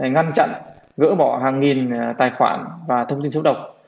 ngăn chặn gỡ bỏ hàng nghìn tài khoản và thông tin xấu độc